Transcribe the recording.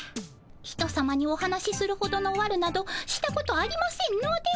ひとさまにお話しするほどのわるなどしたことありませんので。